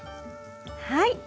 はい。